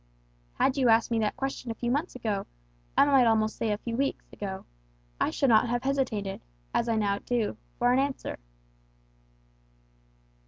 "Had you asked me that question a few months, I might almost say a few weeks, ago, I should not have hesitated, as now I do, for an answer."